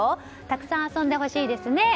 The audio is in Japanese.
たくさん遊んでほしいですね。